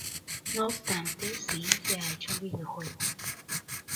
No obstante, sí se ha hecho un videojuego.